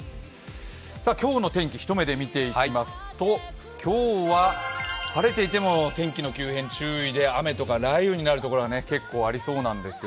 今日の天気、一目で見ていきますと今日は晴れていても天気の急変に注意で雨とか雷雨になるところが結構ありそうなんですよ。